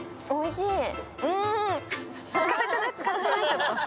おいしい。